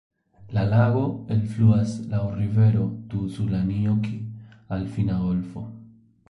La lago elfluas laŭ rivero Tuusulanjoki al Finna golfo.